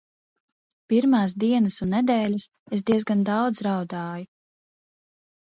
Pirmās dienas un nedēļas es diezgan daudz raudāju.